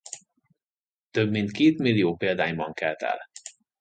Több mint kétmillió példányban kelt el.